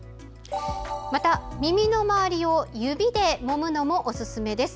また、耳の周りを指でもむのもおすすめです。